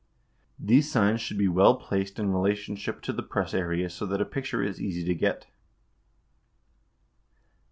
These signs should be well placed in relationship to the press area so that a picture is easy to get.